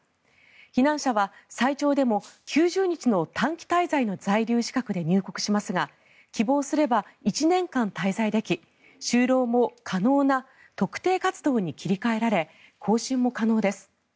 避難者は最長でも９０日の短期滞在の在留資格で入国しますが希望すれば１年間滞在でき就労も可能な特定活動に切り替えられ更新も可能です。